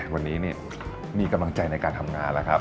วันนี้มีกำลังใจในการทำงานแล้วครับ